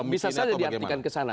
bisa saja diartikan ke sana